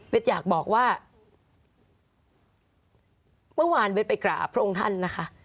อยากบอกว่าเมื่อวานเบสไปกราบพระองค์ท่านนะคะ